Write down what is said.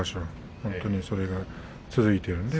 本当にそれが続いているので